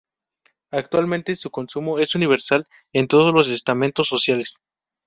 Actualmente su consumo es universal en todos los estamentos sociales.